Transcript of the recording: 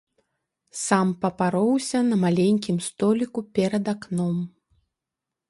Сам папароўся на маленькім століку перад акном.